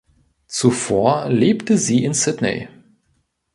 Zuvor lebte sie in Sydney.